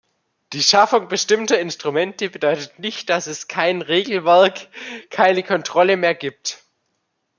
Die Schaffung bestimmter Instrumente bedeutet nicht, dass es kein Regelwerk, keine Kontrolle mehr gibt.